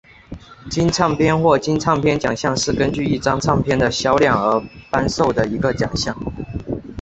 金唱片或金唱片奖项是根据一张唱片的销量而颁授的一个奖项。